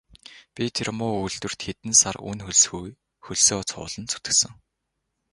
Би тэр муу үйлдвэрт хэдэн сар үнэ хөлсгүй хөлсөө цувуулан зүтгэсэн.